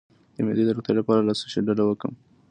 د معدې د روغتیا لپاره له څه شي ډډه وکړم؟